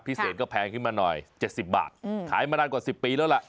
พิเศษก็แพงขึ้นมาหน่อย๗๐บาทขายมานานกว่า๑๐ปีแล้วล่ะ